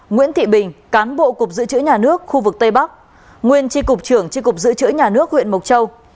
nguyễn thị bình cán bộ cục dự trữ nhà nước khu vực tây bắc nguyên tri cục trưởng tri cục giữ chữ nhà nước huyện mộc châu